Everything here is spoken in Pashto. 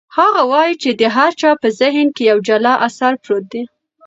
هغه وایي چې د هر چا په ذهن کې یو جلا اثر پروت دی.